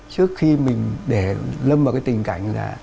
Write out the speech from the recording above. trước khi mình để lâm vào cái tình cảnh